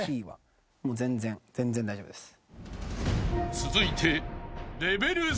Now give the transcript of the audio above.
［続いて］